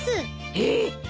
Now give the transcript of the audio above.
えっ！